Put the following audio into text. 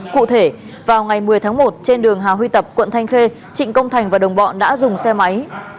cụ thể vào ngày một mươi tháng một trên đường hà huy tập quận thanh khê trịnh công thành và đồng bọn đã dùng xe máy